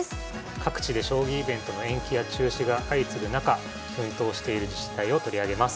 各地で将棋イベントの延期や中止が相次ぐ中奮闘している自治体を取り上げます。